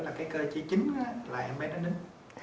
là cái cơ chế chính là em bé đánh đính